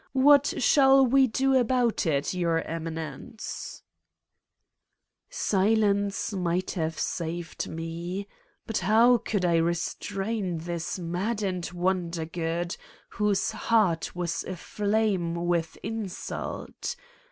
What shall we do about it, Your Eminence ?" Silence might have saved me. But how could I restrain this maddened Wondergood, whose heart was aflame with insult?